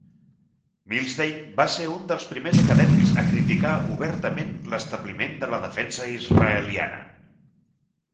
Milstein va ser un dels primers acadèmics a criticar obertament l'establiment de la defensa israeliana.